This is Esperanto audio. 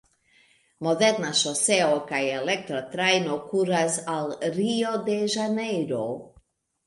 Moderna ŝoseo kaj elektra trajno kuras al Rio-de-Ĵanejro.